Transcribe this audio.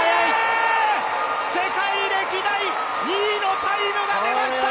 世界歴代２位のタイムが出ました。